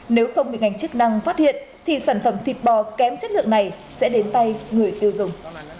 nếu không bị ngành chức năng phát hiện thì sản phẩm thịt bò kém chất lượng này sẽ đến tay người tiêu dùng